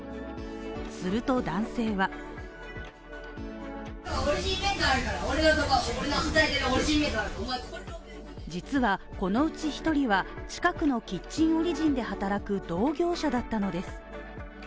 すると男性は実はこのうち１人は近くのキッチンオリジンで働く同業者だったのです。